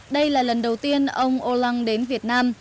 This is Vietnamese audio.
đây là lần đầu tiên ông olan đến việt nam